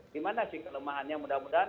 gimana sih kelemahannya mudah mudahan